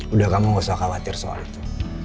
udah kamu gak usah khawatir soal itu